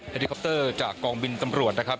ลิคอปเตอร์จากกองบินตำรวจนะครับ